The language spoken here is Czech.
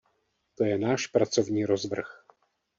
To je náš pracovní rozvrh.